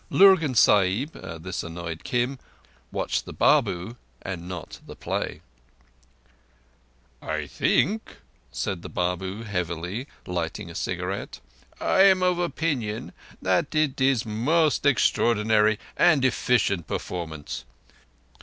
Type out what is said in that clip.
Lurgan Sahib—this annoyed Kim—watched the Babu and not the play. "I think," said the Babu heavily, lighting a cigarette, "I am of opeenion that it is most extraordinary and effeecient performance.